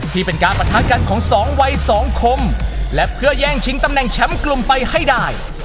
ที่เป็นการปะทะกันของสองวัยสองคมและเพื่อแย่งชิงตำแหน่งแชมป์กลุ่มไปให้ได้